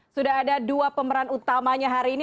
sudah ada dua pemeran utamanya hari ini